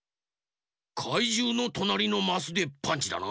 かいじゅうのとなりのマスでパンチだな。